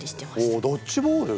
おドッジボール。